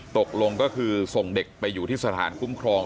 ตกลงก็คือส่งเด็กไปอยู่ที่สถานคุ้มครอง